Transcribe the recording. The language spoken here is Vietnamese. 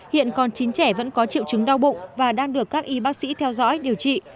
hiện còn chín trẻ vẫn có triệu chứng đau bụng và đang được các y bác sĩ theo dõi điều trị